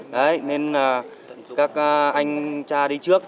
đấy nên là các anh cha đi trước